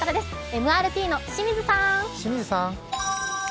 ＭＲＴの清水さん。